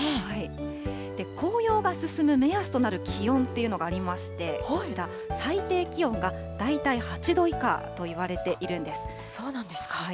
紅葉が進む目安となる気温っていうのがありまして、こちら、最低気温が大体８度以下といわれそうなんですか。